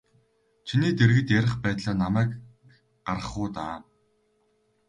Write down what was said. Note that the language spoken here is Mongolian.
Чиний дэргэд ярих байтлаа намайг гаргах уу даа.